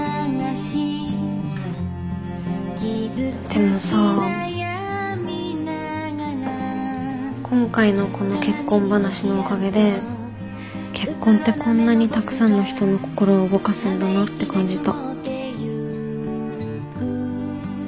でもさ今回のこの結婚話のおかげで結婚ってこんなにたくさんの人の心を動かすんだなって感じた。